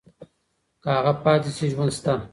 که هغه پاتې شي ژوند شته.